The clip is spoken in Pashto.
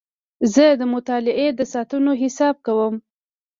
زه د مطالعې د ساعتونو حساب کوم.